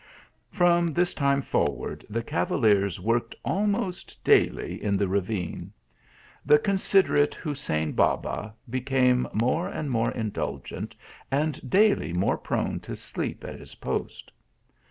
From this time forward the cavaliers worked THREE BEAUTIFUL PRINONSS E8. 147 almost daily in the ravine. The considerate Hussein Baba became more and more indulgent, and daily more prone to sleep at his post.